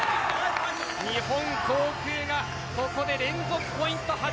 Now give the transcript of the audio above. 日本航空がここで連続ポイント